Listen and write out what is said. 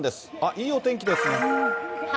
いいお天気ですね。